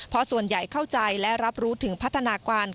เพราะส่วนใหญ่เข้าใจและรับรู้ถึงพัฒนาการ